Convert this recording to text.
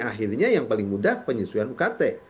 akhirnya yang paling mudah penyesuaian ukt